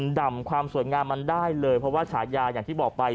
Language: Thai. ดำความสวยงามมันได้เลยเพราะว่าฉายาอย่างที่บอกไป